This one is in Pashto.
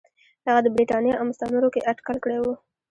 هغه د برېټانیا او مستعمرو کې اټکل کړی و.